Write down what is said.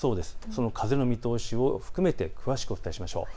その風の見通しを含めて詳しくお伝えしましょう。